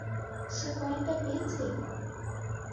সে কয়েনটা পেয়েছে!